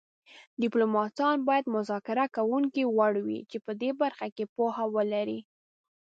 ډیپلوماتان باید مذاکره کوونکي وړ وي چې په دې برخه کې پوهه ولري